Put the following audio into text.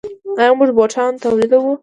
آیا موږ بوټان تولیدوو؟